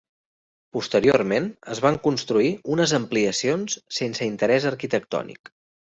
Posteriorment es van construir unes ampliacions sense interès arquitectònic.